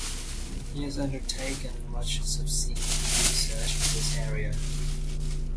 He has undertaken much subsequent research in this area.